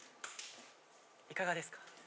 ・いかがですか？